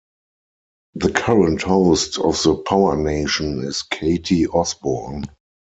The current host of the PowerNation is Katie Osborne.